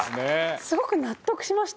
すごく納得しました。